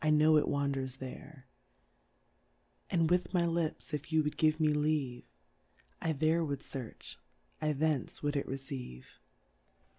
ow it wanders there, u4fidwith my LipSy ij you 'would give me leave, I. there ivould fearch, I thence ivould it receive.